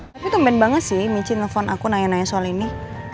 tapi temen banget sih michi nelfon aku nanya soal ini